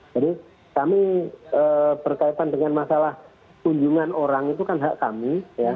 jadi kami berkaitan dengan masalah kunjungan orang itu kan hak kami